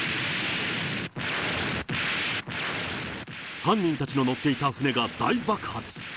犯人たちの乗っていた船が大爆発。